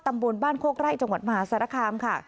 ตำบลบ้านโคกไร่จังหวัดมหาสารคามค่ะ